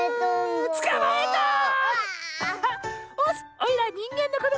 おいらはにんげんのこども。